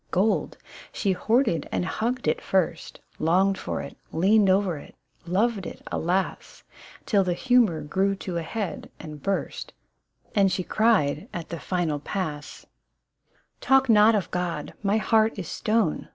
Gold ! She hoarded and hugged it first, Longed tor it, leaned o'er it, loved it alas — Till the humour grew to a head and burst, And she cried, at the final pass, —" Talk not of God, my heart is stone